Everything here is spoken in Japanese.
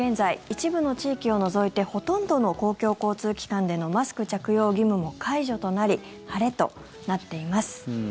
一部の地域を除いてほとんどの公共交通機関でのマスク着用義務も解除となり晴れとなっています。